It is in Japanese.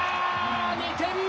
２点目。